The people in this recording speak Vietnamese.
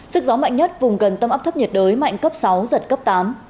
sức gió mạnh nhất vùng gần tâm áp thấp nhiệt đới mạnh cấp sáu giật cấp tám